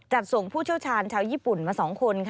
จัดส่งผู้เชี่ยวชาญชาวญี่ปุ่นมา๒คน